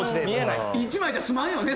１枚じゃ済まんよね